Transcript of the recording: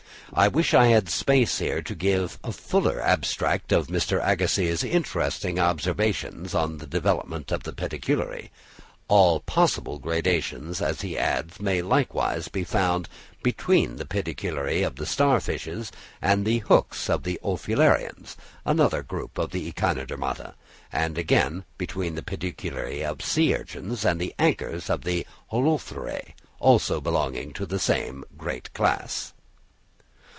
I wish I had space here to give a fuller abstract of Mr. Agassiz's interesting observations on the development of the pedicellariæ. All possible gradations, as he adds, may likewise be found between the pedicellariæ of the star fishes and the hooks of the Ophiurians, another group of the Echinodermata; and again between the pedicellariæ of sea urchins and the anchors of the Holothuriæ, also belonging to the same great class.